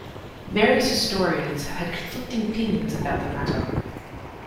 Various historians have had conflicting opinions about the matter.